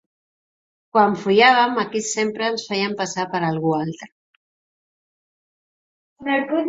Quan follàvem aquí sempre ens fèiem passar per algú altre.